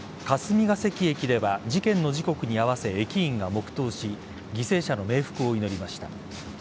霞ケ関駅では事件の時刻に合わせ駅員が黙とうし犠牲者の冥福を祈りました。